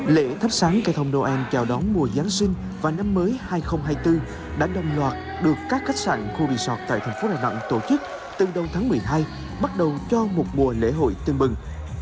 lễ thắp sáng cây thông đô an chào đón mùa giáng sinh và năm mới hai nghìn hai mươi bốn đã đồng loạt được các khách sạn khu resort tại thành phố đà nẵng tổ chức từ đầu tháng một mươi hai bắt đầu cho một mùa lễ hội tương bừng